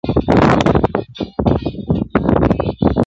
نیمه پېړۍ و جنکيدلم پاچا.